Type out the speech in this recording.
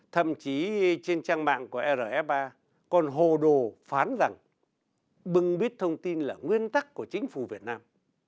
thậm chí trên trang mạng của rfa còn hồ đồ phán rằng bưng bít thông tin là nguyên tắc của chính phủ việt nam